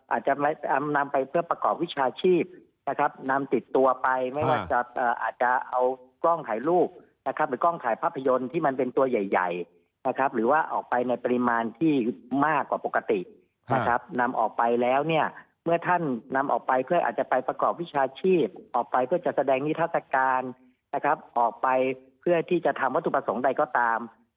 อาจจะนำไปเพื่อประกอบวิชาชีพนะครับนำติดตัวไปไม่ว่าจะอาจจะเอากล้องถ่ายรูปนะครับหรือกล้องถ่ายภาพยนตร์ที่มันเป็นตัวใหญ่นะครับหรือว่าออกไปในปริมาณที่มากกว่าปกตินะครับนำออกไปแล้วเนี่ยเมื่อท่านนำออกไปเพื่ออาจจะไปประกอบวิชาชีพออกไปเพื่อจะแสดงนิทัศกาลนะครับออกไปเพื่อที่จะทำวัตถุประสงค์ใดก็ตาม